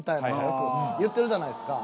よく言ってるじゃないですか。